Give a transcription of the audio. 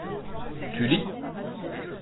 tu lis.